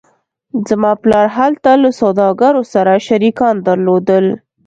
زما پلار هلته له سوداګرو سره شریکان درلودل